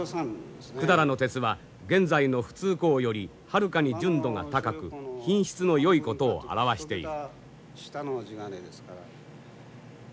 百済の鉄は現在の普通鋼よりはるかに純度が高く品質のよいことを表している。